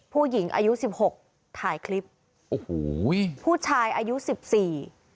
ผู้หญิงอายุสิบหกถ่ายคลิปโอ้โหผู้ชายอายุสิบสี่